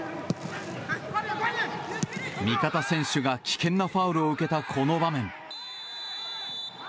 味方選手が危険なファウルを受けたこの場面。